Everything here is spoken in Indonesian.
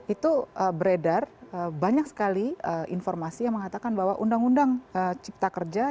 itu beredar banyak sekali informasi yang mengatakan bahwa undang undang cipta kerja